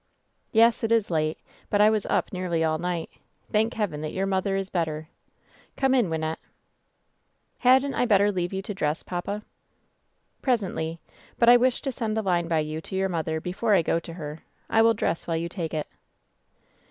"Yes, it is late ; but I was up nearly all night. Thank Heaven that your mother is better. Come in, Wyn nette." "Hadn't I better leave you to dress, papa ?" "Presently. But I wish to send a line by you to your mother before I go to her. I will dress while you take it."